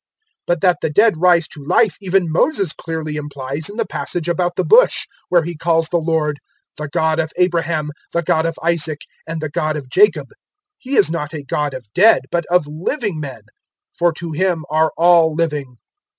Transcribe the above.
020:037 But that the dead rise to life even Moses clearly implies in the passage about the Bush, where he calls the Lord `The God of Abraham, the God of Isaac, and the God of Jacob.' 020:038 He is not a God of dead, but of living men, for to Him are all living."